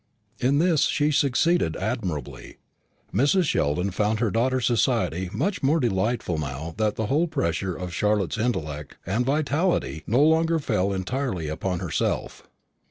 In this she succeeded admirably. Mrs. Sheldon found her daughter's society much more delightful now that the whole pressure of Charlotte's intellect and vitality no longer fell entirely upon herself.